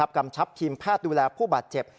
กำชับทีมแพทย์ดูแลผู้บาดเจ็บ